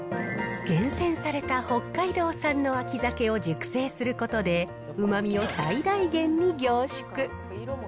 厳選された北海道産の秋鮭を熟成することで、うまみを最大限に凝縮。